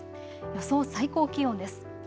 予想最高気温です。